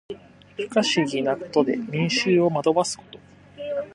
不可思議なことで民衆を惑わすこと。